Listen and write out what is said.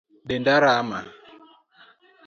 Denda rama